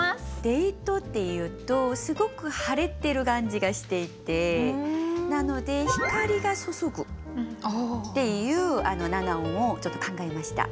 デートっていうとすごく晴れてる感じがしていてなので「光がそそぐ」っていう７音をちょっと考えました。